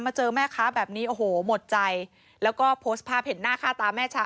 เจอแม่ค้าแบบนี้โอ้โหหมดใจแล้วก็โพสต์ภาพเห็นหน้าค่าตาแม่ชา